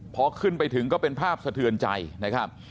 พอขึ้นไปถึงก็เป็นภาพสะเทือนใจนะครับ